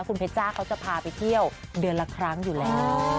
คุณเพชจ้าเขาจะพาไปเที่ยวเดือนละครั้งอยู่แล้ว